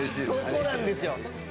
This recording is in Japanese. そこなんですよ。